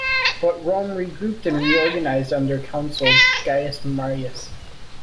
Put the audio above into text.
But Rome regrouped and reorganized under Consul Gaius Marius.